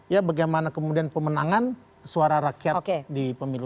ya bagaimana kemudian pemenangan suara rakyat di pemilu